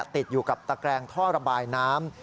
ติดอยู่กับตะแกรงท่อระบายน้ำ